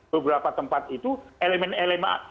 beberapa tempat itu elemen elemen